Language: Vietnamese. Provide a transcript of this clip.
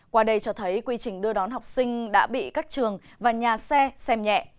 qua đây cho thấy quy trình đưa đón học sinh đã bị các trường và nhà xe xem nhẹ